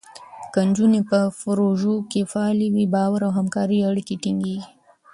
که نجونې په پروژو کې فعاله وي، باور او همکارۍ اړیکې ټینګېږي.